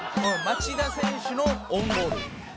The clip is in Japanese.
町田の選手のオウンゴール。